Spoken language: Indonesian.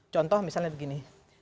contoh misalnya begini